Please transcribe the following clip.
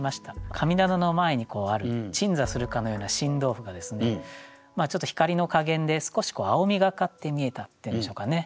神棚の前にある鎮座するかのような新豆腐がちょっと光の加減で少し青みがかって見えたっていうんでしょうかね。